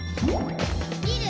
「みる！